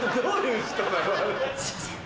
すいません。